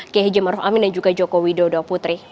kehijaman ruf amin dan juga joko widodo putri